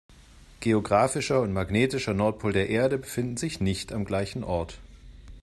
Geographischer und magnetischer Nordpol der Erde befinden sich nicht am gleichen Ort.